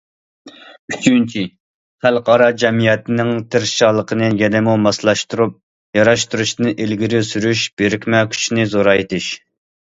ئۈچىنچى، خەلقئارا جەمئىيەتنىڭ تىرىشچانلىقىنى يەنىمۇ ماسلاشتۇرۇپ، ياراشتۇرۇشنى ئىلگىرى سۈرۈش بىرىكمە كۈچىنى زورايتىش.